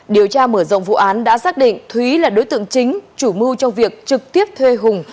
điều tra mở rộng vụ án đã xác định thúy là đối tượng chính chủ mưu trong việc trực tiếp thuê hùng